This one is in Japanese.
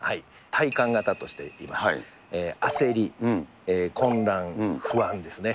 体感型としています、焦り、混乱、不安ですね。